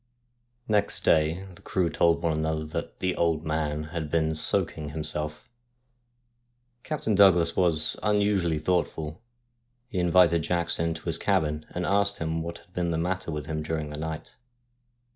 Next day the crew told one another that ' the old man ' had been ' soaking himself.' Captain Douglas was unusually thoughtful. He invited Jackson into his cabin and asked him what had been the matter with him during the night.